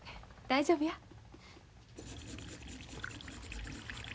大丈夫や。